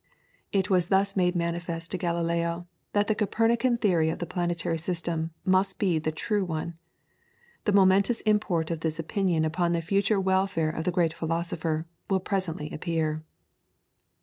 It was thus made manifest to Galileo that the Copernican theory of the planetary system must be the true one. The momentous import of this opinion upon the future welfare of the great philosopher will presently appear.